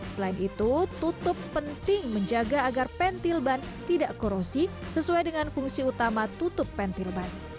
selain itu tutup penting menjaga agar pentil ban tidak korosi sesuai dengan fungsi utama tutup pentil ban